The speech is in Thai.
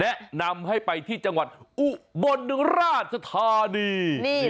แนะนำให้ไปที่จังหวัดอุบลราชธานี